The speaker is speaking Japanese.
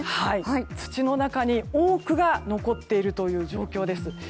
土の中に多くが残っている状況です。